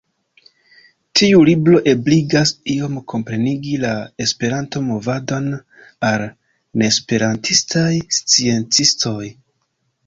Tiu libro ebligas iom komprenigi la Esperanto-movadon al neesperantistaj sciencistoj.